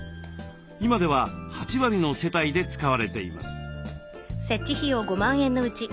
今では８割の世帯で使われています。